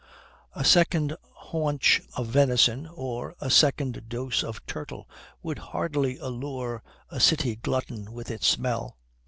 A second haunch of venison, or a second dose of turtle, would hardly allure a city glutton with its smell.